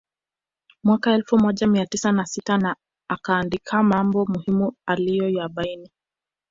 Mwaka elfu moja mia tisa na sita na akaandika mambo muhimu aliyoyabaini